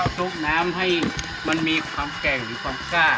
ลบน้ำให้มันมีความแกล้งมีความกล้า